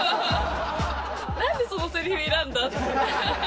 なんで、そのせりふ選んだ？って。